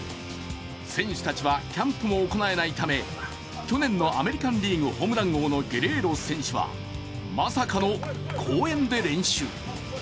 選手たちはキャンプも行えないため、去年のアメリカンリーグホームラン王のゲレーロ選手は、まさかの公園で練習。